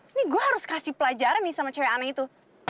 ini gue harus kasih pelajaran nih sama cewek aneh itu